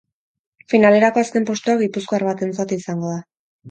Finalerako azken postua gipuzkoar batentzat izango da.